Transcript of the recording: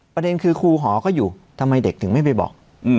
ประเด็นคือครูหอก็อยู่ทำไมเด็กถึงไม่ไปบอก